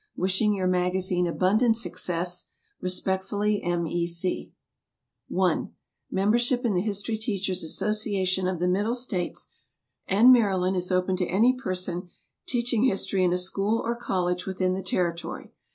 Wishing your magazine abundant success, Respectfully, M. E. C. (1) Membership in the History Teachers' Association of the Middle States and Maryland is open to any person teaching history in a school or college within the territory.